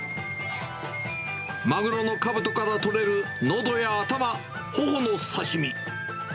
マグロのカブトから取れる、ノドや頭、ほほの刺身。